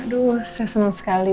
aduh saya senang sekali